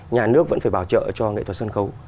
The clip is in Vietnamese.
nhà nước vẫn phải bảo trợ cho nghệ thuật sân khấu